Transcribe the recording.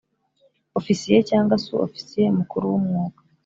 Ofisiye cyangwa Su Ofisiye Mukuru w umwuga